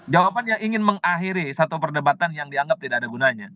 jawabannya ingin mengakhiri satu perdebatan yang dianggap tidak ada gunanya